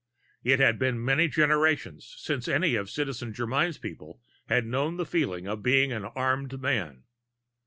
It had been many generations since any of Citizen Germyn's people had known the feeling of being an Armed Man.